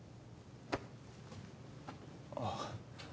ああ。